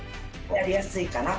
やりやすいかな